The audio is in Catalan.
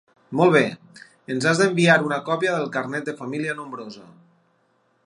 Molt bé, ens has d'enviar una còpia del carnet de família nombrosa.